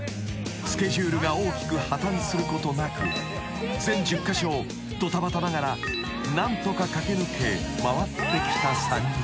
［スケジュールが大きく破綻することなく全１０カ所をどたばたながら何とか駆け抜け回ってきた３人］